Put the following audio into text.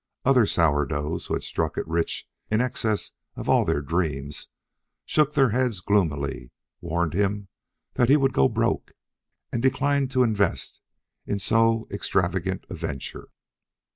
Other sourdoughs, who had struck it rich in excess of all their dreams, shook their heads gloomily, warned him that he would go broke, and declined to invest in so extravagant a venture.